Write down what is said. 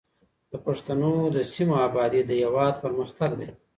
د پښتنو د سیمو ابادي د هېواد پرمختګ دی.